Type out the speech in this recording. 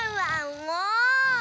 もう！